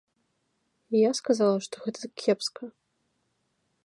Я сказала, што гэта кепска.